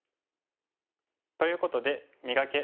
ということで「磨け！